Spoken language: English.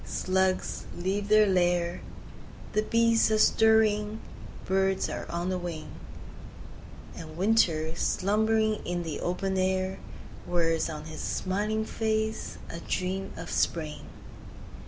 Slugs leave their lair— The bees are stirring—birds are on the wing— And Winter, slumbering in the open air, Wears on his smiling face a dream of Spring!